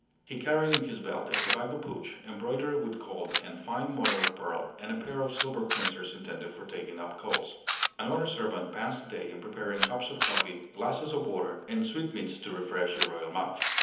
He carried in his belt a tobacco pouch, embroidered with gold and fine mother of pearl, and a pair of silver pincers intended for taking up coals. Another servant passed the day in preparing cups of coffee, glasses of water, and sweetmeats to refresh the royal mouth.